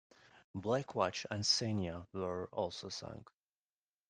"Black Watch" and "Senja" were also sunk.